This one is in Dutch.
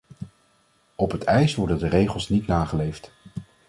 Op het ijs worden de regels niet nageleefd.